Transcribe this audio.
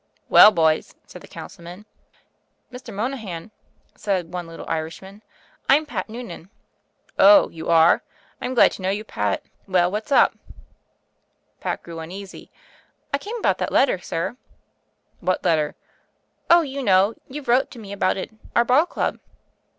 " *Well, boys?' said the Councilman. " *Mr. Monahan,' said one little Irishman, 'I'm Pat Noonan.' " 'Oh, you are. I'm glad to know you, Pat. Well, what's up?' THE FAIRY OF THE SNOWS 121 "Pat grew uneasy. " *I came about that letter, sir.' " *What letter?' " *0h, you know; youVe wrote to mc about it. Our ball club.'